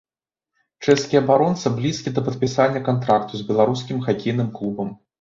Чэшскі абаронца блізкі да падпісання кантракту з беларускім хакейным клубам.